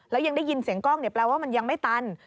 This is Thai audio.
แล้วยังได้ยินเสียงกล้องเนี่ยแปลว่ามันยังไม่ตัน